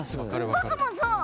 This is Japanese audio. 僕もそう！